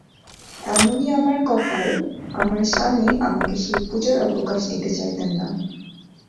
এমনি আমার কপাল, আমার স্বামী আমাকে সেই পূজার অবকাশ দিতে চাইতেন না।